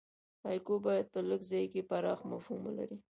هایکو باید په لږ ځای کښي پراخ مفهوم ورکي.